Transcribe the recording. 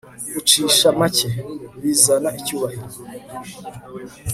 gucisha make; bizana icyubahiro